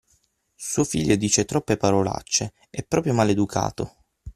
Suo figlio dice troppe parolacce, è proprio maleducato.